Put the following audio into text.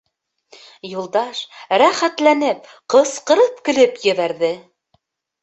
Юлдаш, рәхәтләнеп, ҡысҡырып көлөп ебәрҙе.